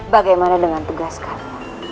bagaimana dengan tugas kami